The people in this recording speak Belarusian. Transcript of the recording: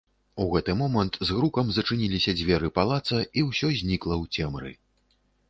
У гэты момант з грукам зачыніліся дзверы палаца і ўсё знікла ў цемры.